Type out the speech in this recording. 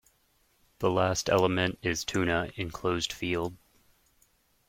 The last element is "tuna" "enclosed field".